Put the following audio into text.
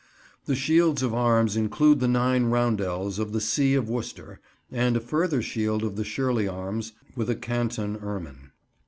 The shields of arms include the nine roundels of the see of Worcester, and a further shield of the Shirley arms, with a canton ermine.